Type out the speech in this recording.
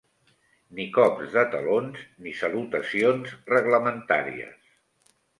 Ni cops de talons ni salutacions reglamentàries.